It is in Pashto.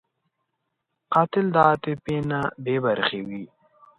قاتل د عاطفې نه بېبرخې وي